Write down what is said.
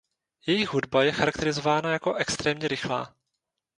Jejich hudba je charakterizována jako extrémně rychlá.